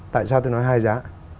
tại sao tôi nói hai giá